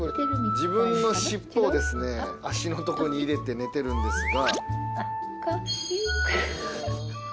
自分の尻尾を足のとこに入れて寝てるんですが。